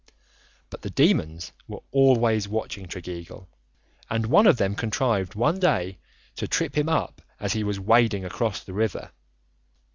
But the demons were always watching Tregeagle, and one of them contrived one day to trip him up as he was wading across the river.